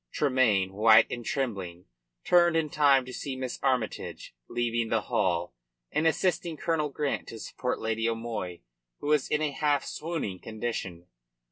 Tremayne, white and trembling, turned in time to see Miss Armytage leaving the hall and assisting Colonel Grant to support Lady O'Moy, who was in a half swooning condition.